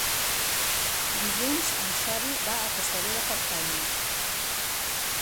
Dilluns en Xavi va a Castelló de Farfanya.